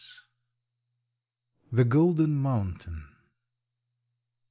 THE GOLDEN MOUNTAIN.